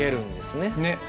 ねっ。